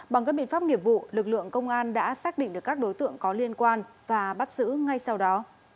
bằng các biện pháp nghiệp vụ lực lượng công an đã xác định được các đối tượng có liên quan và bắt giữ ngay sau đó